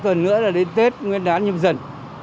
chỉ còn ba tuần nữa là đến tết nguyên đán nhân dân